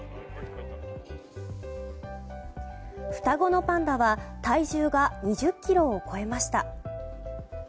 双子のパンダは体重が２０ｋｇを超えました。